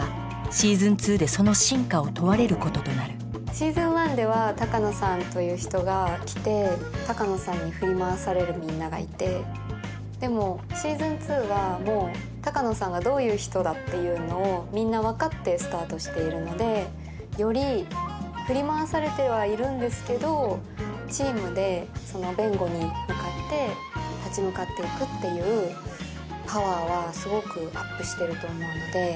「Ｓｅａｓｏｎ１」では鷹野さんという人が来て鷹野さんに振り回されるみんながいてでも「Ｓｅａｓｏｎ２」はもう鷹野さんがどういう人だっていうのをみんな分かってスタートしているのでより振り回されてはいるんですけどチームでその弁護に向かって立ち向かっていくっていうパワーはすごくアップしてると思うので。